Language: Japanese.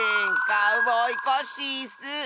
カウボーイコッシーッス。